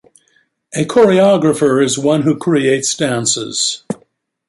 A "choreographer" is one who creates dances.